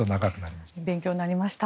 勉強になりました。